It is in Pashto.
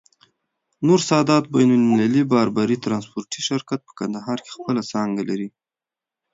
نور سادات بين المللی باربری ترانسپورټي شرکت، په کندهار کي خپله څانګه لری.